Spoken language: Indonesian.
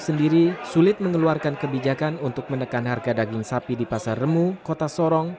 sendiri sulit mengeluarkan kebijakan untuk menekan harga daging sapi di pasar remu kota sorong